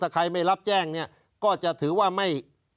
ถ้าใครไม่รับแจ้งเนี่ยก็จะถือว่าไม่